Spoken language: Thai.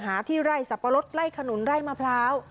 หาที่ไร่สับปะรดไล่ขนุนไร่มะพร้าว